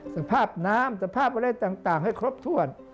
สภาพน้ำสภาพอะไรต่างให้ครบถ้วน